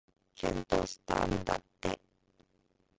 きゅんとしたんだって